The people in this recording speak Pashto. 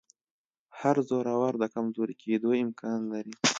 هر زورور د کمزوري کېدو امکان لري